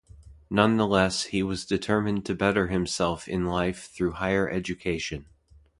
Nonetheless, he was determined to better himself in life through higher education.